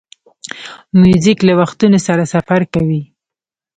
موزیک له وختونو سره سفر کوي.